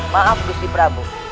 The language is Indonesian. maaf gusti prabu